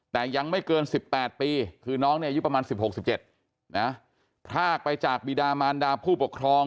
แต่ยังไม่เกิน๑๘ปีคือน้องเนี่ยอายุประมาณ๑๖๑๗นะพรากไปจากบีดามารดาผู้ปกครอง